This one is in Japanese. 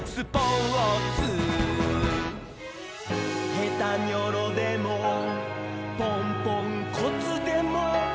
「ヘタニョロでもポンポンコツでもいい」